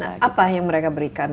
nah apa yang mereka berikan